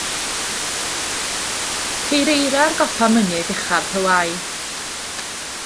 Ceir eira ar gopa mynydd uchaf Hawaii.